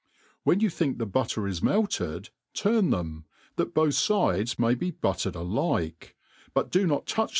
When you think the butter is melted turn them, that both fides may be buttered alike, 'jut do no touch.